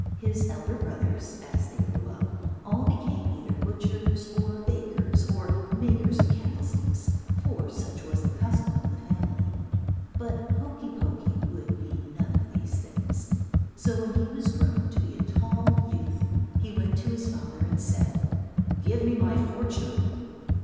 His elder brothers, as they grew up, all became either butchers or bakers or makers of candle sticks, for such was the custom of the family. But Hokey Pokey would be none of these things; so when he was grown to be a tall youth he went to his father and said, "Give me my fortune."